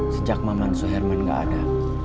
sejak mamansuh herman tidak ada